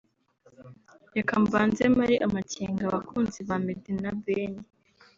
reka mbanze mare amakenga abakunzi ba Meddy na Ben